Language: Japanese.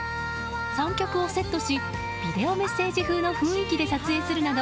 三脚をセットしビデオメッセージ風の雰囲気で撮影するなど